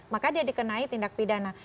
maka dia dikenai tindak pidana